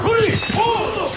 おう！